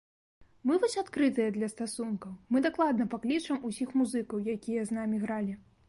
Мы вось адкрытыя для стасункаў, мы дакладна паклічам усіх музыкаў, якія з намі гралі.